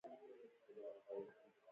د واده سند جلا ثبتېږي.